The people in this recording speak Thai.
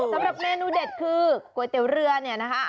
สำหรับเมนูเด็ดคือก๋วยเตี๋ยวเรือเนี่ยนะคะ